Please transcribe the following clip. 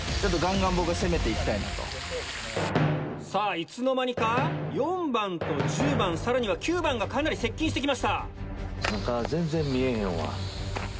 さぁいつの間にか４番と１０番さらには９番がかなり接近して来ました。